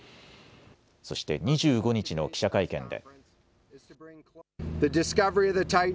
そして２５日の記者会見で。